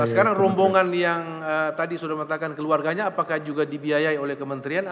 sekarang rombongan yang tadi sudah mengatakan keluarganya apakah juga dibiayai oleh kementerian